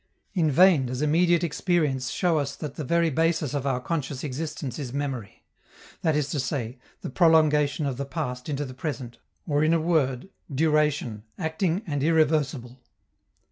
In vain does immediate experience show us that the very basis of our conscious existence is memory, that is to say, the prolongation of the past into the present, or, in a word, duration, acting and irreversible.